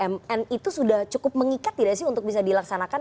benar diperjuangkan rpjmn itu sudah cukup mengikat tidak sih untuk bisa dilaksanakan